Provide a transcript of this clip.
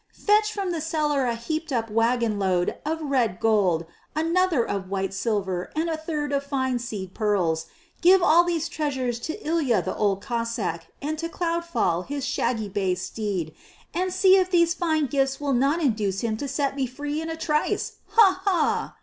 Fetch from the cellar a heaped up waggon load of red gold, another of white silver, and a third of fine seed pearls. Give all these treasures to Ilya the Old Cossáck, and to Cloudfall, his shaggy bay steed, and see if these fine gifts will not induce him to set me free in a trice. Ha, ha!"